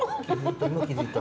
今気付いた。